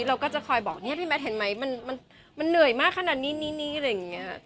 เราก็จะคอยบอกเนี่ยพี่แมทเห็นไหมมันเหนื่อยมากขนาดนี้นี่อะไรอย่างนี้